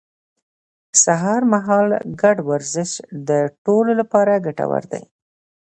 سهار مهال ګډ ورزش د ټولو لپاره ګټور دی